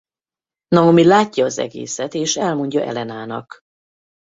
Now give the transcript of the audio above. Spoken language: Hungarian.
Naomi látja az egészet és elmondja Elenának.